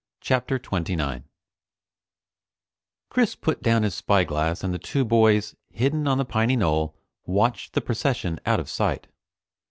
CHAPTER 29 Chris put down his spyglass and the two boys, hidden on the piny knoll, watched the procession out of sight.